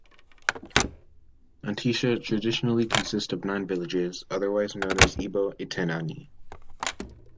Onitsha traditionally consists of nine villages, otherwise known as Ebo Itenani.